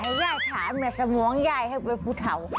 ให้ย่ายหาเหมือนสมวงย่ายให้เป็นผู้เถา